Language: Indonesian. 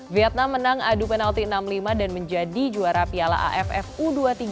vietnam menang adu penalti enam lima dan menjadi juara piala aff u dua puluh tiga dua ribu dua puluh tiga